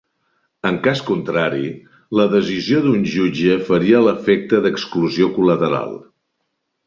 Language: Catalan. En cas contrari, la decisió d'un jutge faria l'efecte d'exclusió col·lateral.